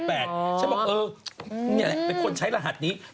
เป็นคนใช้รหัสนี้